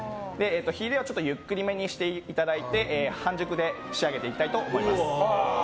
火入れをゆっくりめにしていただいて半熟で仕上げていきたいと思います。